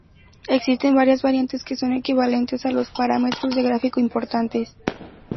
Existen varias variantes que son equivalentes a los parámetros de gráfico importantes.